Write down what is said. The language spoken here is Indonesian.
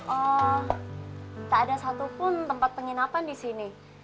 oh tak ada satupun tempat penginapan disini